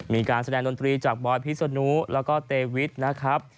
มีการแสดงดนตรีจากบอยพิษนุแล้วก็เตวิทนะครับ